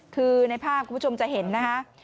คือในภาพคุณผู้ชมจะเห็นนะคะ